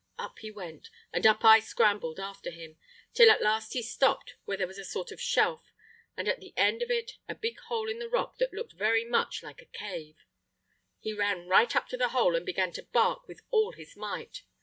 Up he went, and up I scrambled after him, till at last he stopped where there was a sort of shelf, and at the end of it a big hole in the rock that looked very much like a cave. He ran right up to the hole and began to bark with all his might.